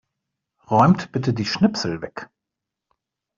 Räumt bitte die Schnipsel weg.